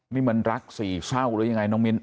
นี่มันรักสี่เศร้าหรือยังไงน้องมิ้น